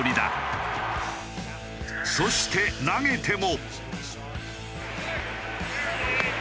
そして投げても。